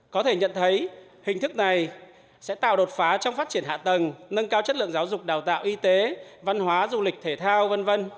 có thể nhận thấy hình thức này sẽ tạo đột phá trong phát triển hạ tầng nâng cao chất lượng giáo dục đào tạo y tế văn hóa du lịch thể thao v v